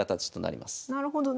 なるほど。